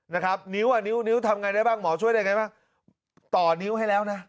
นะครับนิ้วอ่ะนิ้วนิ้วทำไงได้บ้างหมอช่วยได้ไงบ้างต่อนิ้วให้แล้วนะ